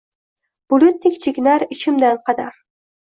Bulutdek chekinar ichimdan kadar